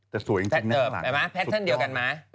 แต่สวยจริงจริงแพทตอนเดียวกันไหม